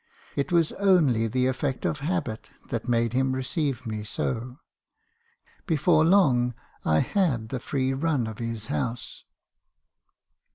It was only the effect of habit that made him receive me so. Before long, I had the free run of his house.